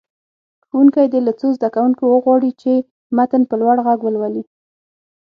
ښوونکی دې له څو زده کوونکو وغواړي چې متن په لوړ غږ ولولي.